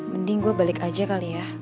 mending gue balik aja kali ya